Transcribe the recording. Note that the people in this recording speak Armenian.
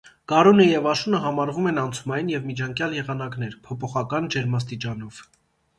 Գարունը և աշունը համարվում են անցումային և միջանկյալ եղանակներ՝ փոփոխական ջերմաստիճանով։